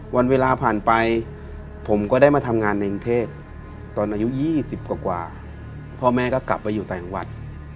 วันเวลาผ่านไปผมก็ได้มาทำงานในกรุงเทพตอนอายุ๒๐กว่าพ่อแม่ก็กลับไปอยู่ต่างจังหวัด